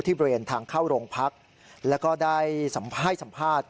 บริเวณทางเข้าโรงพักแล้วก็ได้ให้สัมภาษณ์